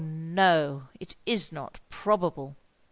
no—it is not probable!